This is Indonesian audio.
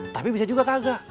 tapi bisa juga kagak